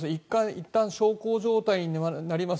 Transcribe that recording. いったん小康状態になります